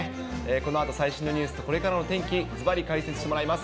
このあと最新のニュースと、これからの天気、ずばり解説してもらいます。